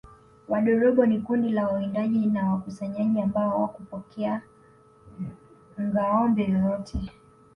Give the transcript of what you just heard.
Wadorobo ni kundi la wawindaji na wakusanyaji ambao hawakupokea ngâombe yoyote